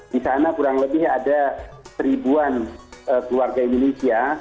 di sana kurang lebih ada seribuan keluarga indonesia